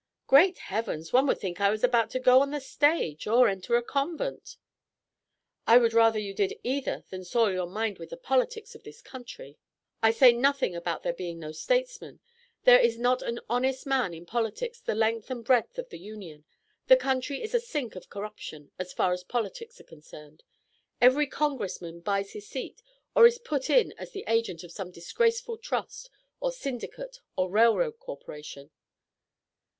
"Great heavens! One would think I was about to go on the stage or enter a convent." "I would rather you did either than soil your mind with the politics of this country. I say nothing about there being no statesmen; there is not an honest man in politics the length and breadth of the Union. The country is a sink of corruption, as far as politics are concerned. Every Congressman buys his seat or is put in as the agent of some disgraceful trust or syndicate or railroad corporation."